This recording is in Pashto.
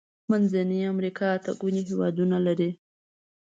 منځنۍ امريکا اته ګونې هيوادونه لري.